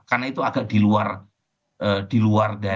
karena itu agak diluar dari biasa